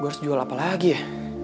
gue harus jual apa lagi ya